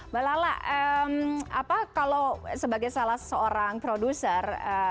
mbak lala kalau sebagai salah seorang produser